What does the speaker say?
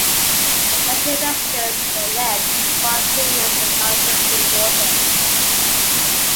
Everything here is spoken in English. The Fletcher residents were left with bond payments for non-existent water.